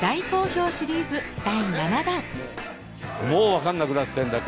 もうわかんなくなってんだよ